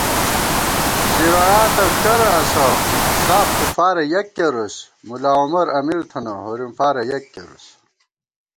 زِیرَڑاتہ کرہ اسہ ساف کُفارہ یَک کېرُس * ملا عمر امیر تھنہ ہورِم فارہ یک کېرُوس